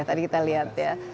tadi kita lihat ya